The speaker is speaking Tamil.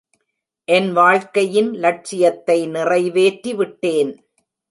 என் வாழ்க்கையின் லட்சியத்தை நிறைவேற்றி விட்டேன்.